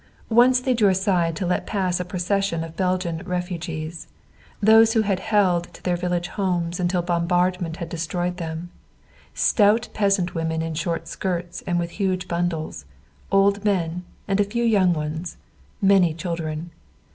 Once they drew aside to let pass a procession of Belgian refugees, those who had held to their village homes until bombardment had destroyed them stout peasant women in short skirts and with huge bundles, old men, a few young ones, many children.